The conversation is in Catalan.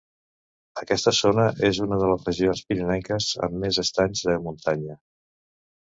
Aquesta zona és una de les regions pirinenques amb més estanys de muntanya.